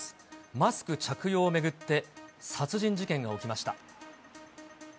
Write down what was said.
マスク着用を巡って、殺人事件が起きました。